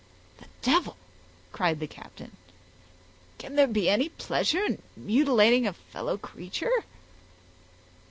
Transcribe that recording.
"The devil!" cried the captain. "Can there be any pleasure in mutilating a fellow creature?"